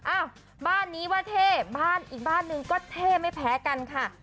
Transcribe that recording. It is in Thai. อ้าวบ้านนี้ว่าเท่บ้านอีกบ้านหนึ่งก็เท่ไม่แพ้กันค่ะ